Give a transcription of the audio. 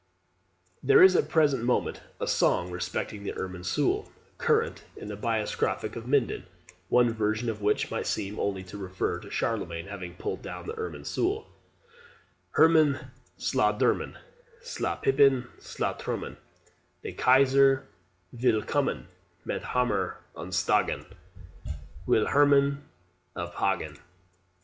] There is at the present moment a song respecting the Irmin sul current in the bishopric of Minden, one version of which might seem only to refer to Charlemagne having pulled down the Irmin sul: "Herman, sla dermen, Sla pipen, sla trummen, De Kaiser will kummen, Met hamer un stangen, Will Herman uphangen."